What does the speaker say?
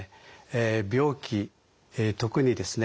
病気特にですね